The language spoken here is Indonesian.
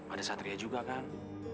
ada satria juga kan